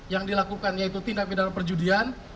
yang dilakukan yaitu tindak pidana perjudian